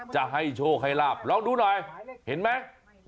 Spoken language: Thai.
จะให้โชคให้ลาบลองดูหน่อยเห็นไหม